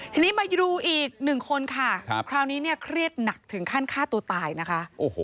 ทีนี้มาดูอีกหนึ่งคนค่ะคราวนี้เนี่ยเครียดหนักถึงขั้นฆ่าตัวตายนะคะ